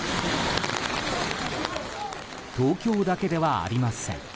東京だけではありません。